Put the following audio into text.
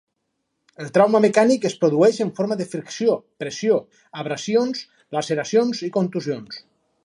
El trauma mecànic es produeix en forma de fricció, pressió, abrasions, laceracions i contusions.